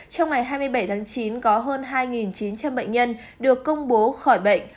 trong ngày hai mươi bảy tháng chín có hơn hai chín trăm linh bệnh nhân được công bố khỏi bệnh